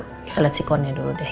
kita lihat sikonnya dulu deh